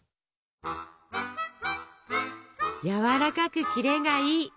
やわらかくキレがいい！